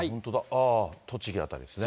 ああ、栃木辺りですね。